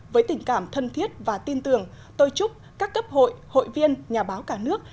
với tình cảm thân thiết và tin tưởng tôi chúc các cấp hội hội viên nhà báo cả nước